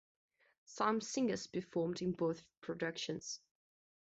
Some singers performed in both productions.